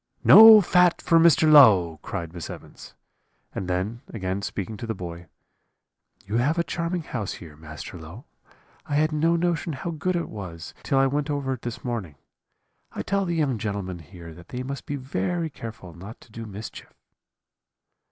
"'No fat for Master Low,' cried Miss Evans: and then again speaking to the boy, 'You have a charming house here, Master Low; I had no notion how good it was till I went over it this morning. I tell the young gentlemen here that they must be very careful not to do mischief.'